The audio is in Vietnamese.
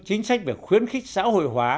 chính sách về khuyến khích xã hội hóa